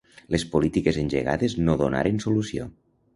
Les polítiques engegades no donaren solució.